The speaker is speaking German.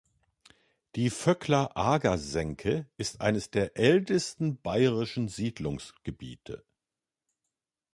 Die Vöckla-Ager-Senke ist eines der ältesten bayerischen Siedlungsgebiete.